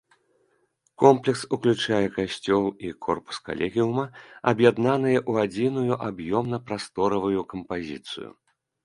Комплекс уключае касцёл і корпус калегіума, аб'яднаныя ў адзіную аб'ёмна-прасторавую кампазіцыю.